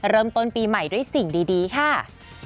เริ่มต้นปีใหม่ด้วยสิ่งดีค่ะ